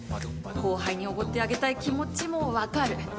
後輩におごってあげたい気持ちも分かる。